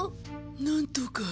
なんとか。